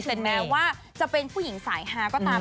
แม้ว่าจะเป็นผู้หญิงสายฮาก็ตาม